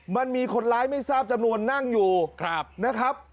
มันมีคนร้ายไม่ทราบจำนวนนั่งอยู่นะครับ